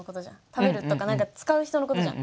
食べるとか使う人のことじゃん。